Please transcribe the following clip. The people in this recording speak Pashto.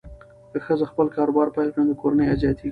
که ښځه خپل کاروبار پیل کړي، نو د کورنۍ عاید زیاتېږي.